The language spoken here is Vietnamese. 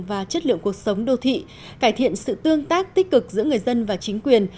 và chất lượng cuộc sống đô thị cải thiện sự tương tác tích cực giữa người dân và chính quyền